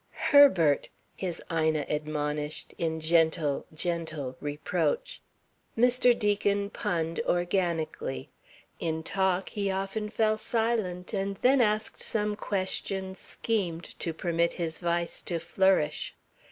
"Herbert!" his Ina admonished, in gentle, gentle reproach. Mr. Deacon punned, organically. In talk he often fell silent and then asked some question, schemed to permit his vice to flourish.